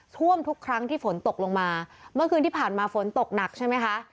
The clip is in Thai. ท่วมทุกครั้งที่ฝนตกลงมาเมื่อคืนที่ผ่านมาฝนตกหนักใช่ไหมคะ